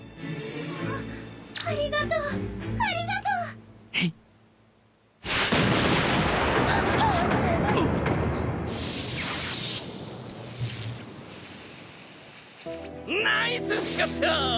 あありがとうありがとう！ナイスショット！